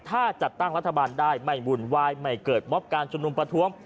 ถ้าจัดตั้งรัฐบาลได้ไม่วุ่นวายไม่เกิดมอบการชุมนุมประท้วง